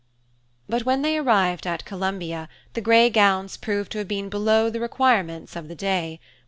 But when they arrived at Columbia, the grey gowns proved to have been below the requirements of the day.